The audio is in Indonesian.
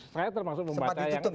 saya termasuk membaca yang